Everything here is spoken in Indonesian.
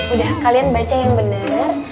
udah kalian baca yang benar